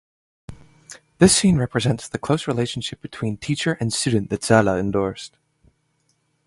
The scene represents the close relationship between teacher and student that Zahle endorsed.